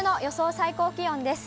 最高気温です。